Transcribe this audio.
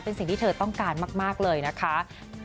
เป็นสิ่งที่เธอต้องการมากเลยนะคะ